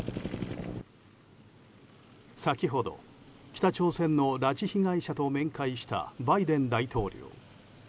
先ほど、北朝鮮の拉致被害者と面会したバイデン大統領。